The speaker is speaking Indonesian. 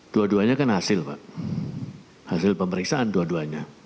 dua duanya kan hasil pak hasil pemeriksaan dua duanya